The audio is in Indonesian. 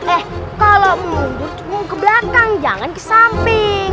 eh kalau mundur mau ke belakang jangan ke samping